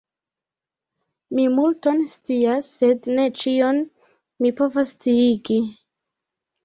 Mi multon scias, sed ne ĉion mi povas sciigi.